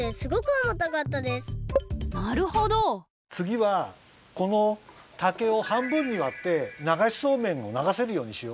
つぎはこの竹を半分にわってながしそうめんをながせるようにしよう。